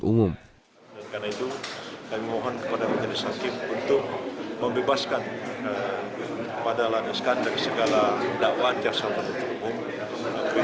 dan karena itu kami mohon kepada majelis hakim untuk membebaskan dahlan iskan dari segala dakwaan jaksa penduduk umum